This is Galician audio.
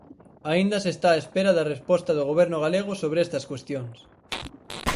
Aínda se está á espera da resposta do Goberno galego sobre estas cuestións.